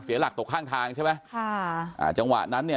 หลักตกข้างทางใช่ไหมค่ะอ่าจังหวะนั้นเนี่ย